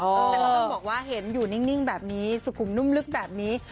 แต่ก็ต้องบอกว่าเห็นอยู่นิ่งแบบนี้สุขุมนุ่มลึกแบบนี้